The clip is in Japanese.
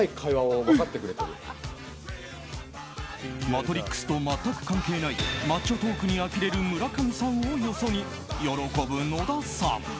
「マトリックス」と全く関係ないマッチョトークにあきれる村上さんをよそに喜ぶ野田さん。